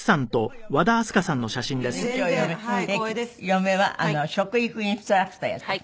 嫁は食育インストラクターやってる。